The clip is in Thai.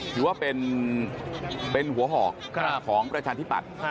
ถือว่าเป็นหัวหอกของประชาธิปัตย์